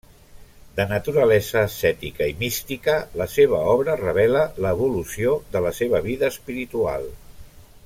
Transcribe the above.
De naturalesa ascètica i mística, la seva obra revela l'evolució de la seva vida espiritual.